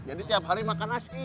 jadi tiap hari makan nasi